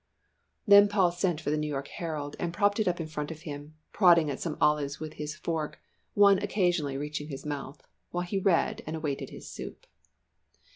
Then Paul sent for the New York Herald and propped it up in front of him, prodding at some olives with his fork, one occasionally reaching his mouth, while he read, and awaited his soup.